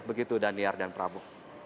begitu dhani ardan prabu